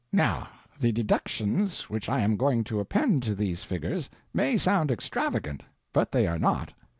Now the deductions which I am going to append to these figures may sound extravagant, but they are not.